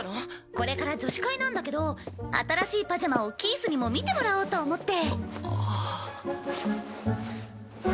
これから女子会なんだけど新しいパジャマをキースにも見てもらおうと思って。